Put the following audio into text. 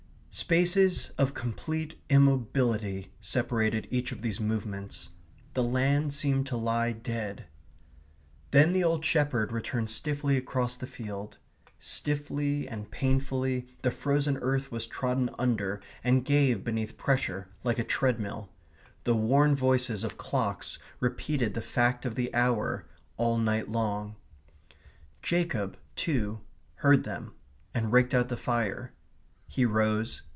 Spaces of complete immobility separated each of these movements. The land seemed to lie dead .... Then the old shepherd returned stiffly across the field. Stiffly and painfully the frozen earth was trodden under and gave beneath pressure like a treadmill. The worn voices of clocks repeated the fact of the hour all night long. Jacob, too, heard them, and raked out the fire. He rose.